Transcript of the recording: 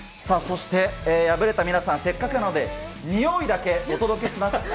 そして敗れた皆さん、せっかくなので、においだけお届けします。